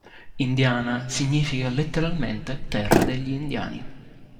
Indiana significa letteralmente "terra degli Indiani".